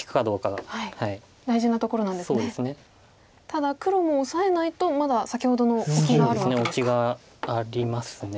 ただ黒もオサえないとまだ先ほどのオキがあるわけですか。